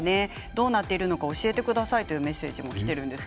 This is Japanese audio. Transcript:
どうなっているのか教えてくださいというメッセージもきています。